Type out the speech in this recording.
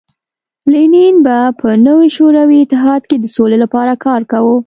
لینین به په نوي شوروي اتحاد کې د سولې لپاره کار کاوه